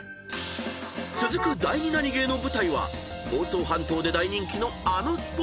［続く第２ナニゲーの舞台は房総半島で大人気のあのスポット］